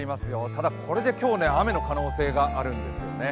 ただ、これで今日、雨の可能性があるんですよね